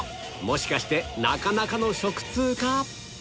もしかしてなかなかの食通か？